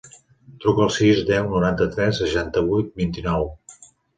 Truca al sis, deu, noranta-tres, seixanta-vuit, vint-i-nou.